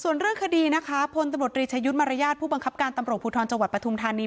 ส่วนเรื่องคดีนะคะพลตำรวจรีชายุทธ์มารยาทผู้บังคับการตำรวจภูทรจังหวัดปทุมธานี